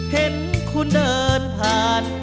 เห็นคุณเดินผ่าน